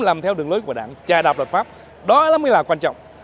làm theo đường lối của đảng trà đạp luật pháp đó mới là quan trọng